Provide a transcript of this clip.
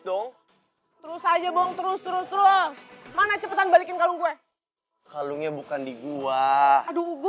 dong terus aja dong terus terus mana cepetan balikin kalung gue kalungnya bukan di gua aduh gue